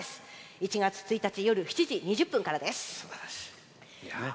１月１日夜７時２０分からです。